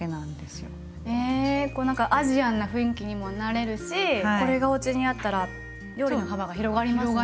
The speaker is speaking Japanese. へえこう何かアジアンな雰囲気にもなれるしこれがおうちにあったら料理の幅が広がりますね。